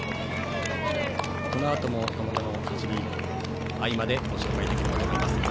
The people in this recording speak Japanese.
このあともこの走りを合間でご紹介できればと思います。